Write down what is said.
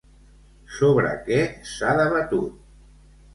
Sobre què s'ha debatut?